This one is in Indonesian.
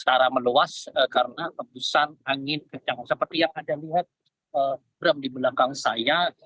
secara meluas karena embusan angin kencang seperti yang anda lihat bram di belakang saya